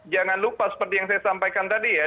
jangan lupa seperti yang saya sampaikan tadi ya